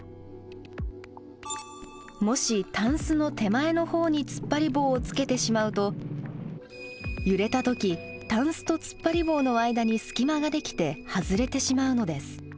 もしタンスの手前のほうにつっぱり棒をつけてしまうと揺れた時タンスとつっぱり棒の間に隙間ができて外れてしまうのです。